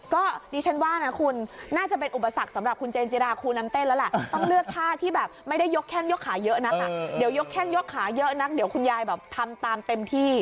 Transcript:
ก็ดิฉันว่านะคุณน่าจะเป็นอุปสรรคสำหรับคุณเจนจิราครูนำเต้นแล้วแหละต้องเลือกท่าที่แบบไม่ได้ยกแข้งยกขาเยอะนักอ่ะเดี๋ยวยกแข้งยกขาเยอะนักเดี๋ยวคุณยายแบบทำตามเต็มที่